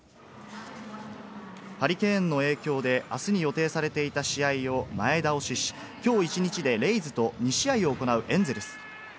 ハリケーンの影響であすに予定されていた試合を前倒しし、きょう一日でレイズと２試合を行うエンゼルス。